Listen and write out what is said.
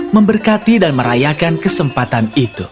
memberkati dan merasakan kekuatan